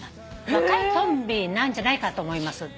若いトンビなんじゃないかと思います。